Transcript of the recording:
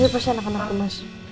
ini pas anak anak kemas